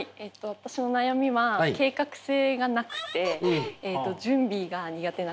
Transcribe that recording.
私の悩みは計画性がなくて準備が苦手なことです。